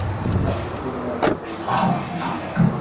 আর-কিছু না, জীবনটাকে কেঁদে ভাসিয়ে দেওয়ার চেয়ে হেসে উড়িয়ে দেওয়াই ভালো।